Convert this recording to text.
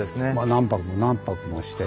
何泊も何泊もして。